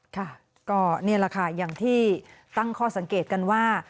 ค่ะก็นี่แหละค่ะอย่างที่ตั้งข้อสังเกตกันว่า